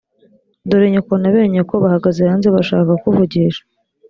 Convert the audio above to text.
dore nyoko na bene nyoko bahagaze hanze barashaka kukuvugisha